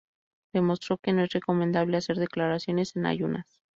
demostró que no es recomendable hacer declaraciones en ayunas